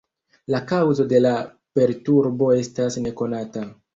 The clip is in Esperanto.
La kaŭzo de la perturbo estas nekonata.